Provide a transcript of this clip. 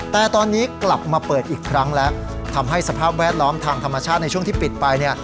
แต่ตอนนี้กลับมาเปิดอีกครั้งแล้วทำให้สภาพแวดล้อมทางธรรมชาติในช่วงที่ปิดไปเนี่ย